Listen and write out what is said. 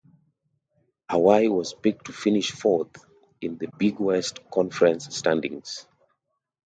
Hawaii was picked to finish fourth in the Big West Conference standings.